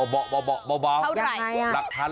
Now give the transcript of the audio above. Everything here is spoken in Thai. เบาเหรอไหม